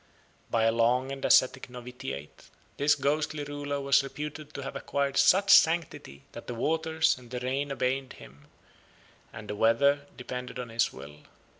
By a long and ascetic novitiate, this ghostly ruler was reputed to have acquired such sanctity that the waters and the rain obeyed him, and the weather depended on his will.